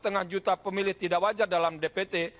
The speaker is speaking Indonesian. terdapat tujuh belas lima juta pemilih tidak wajar dalam dpt